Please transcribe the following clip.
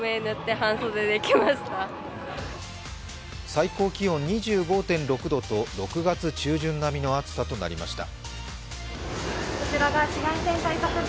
最高気温２５．６度と６月中旬並みの暑さとなりました。